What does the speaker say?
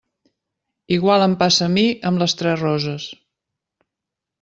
Igual em passa a mi amb Les Tres Roses.